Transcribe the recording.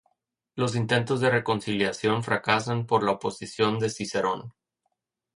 Los intentos de reconciliación fracasan por la oposición de Cicerón.